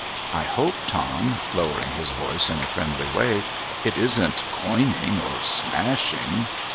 ' I hope, Tom,' lowering his voice in a friendly way, ' it isn't coining, or smashing